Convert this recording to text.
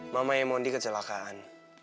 mamanya mondi kecelakaan